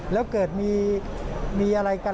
แล้วเกิดมีอะไรกัน